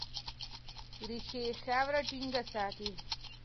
ریښې یې خاوره ټینګه ساتي.